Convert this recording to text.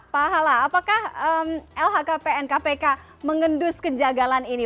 pak hala apakah lhkpn kpk mengendus kejagalan ini